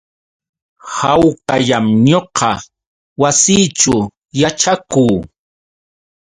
Hawkallam ñuqa wasiićhu yaćhakuu.